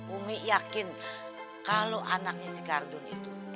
umi yakin kalau anaknya si kardun itu